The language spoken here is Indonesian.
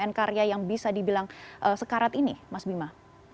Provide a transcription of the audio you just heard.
dengan karya yang bisa dibilang sekarat ini mas bima